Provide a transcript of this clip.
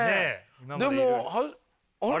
でもあれ？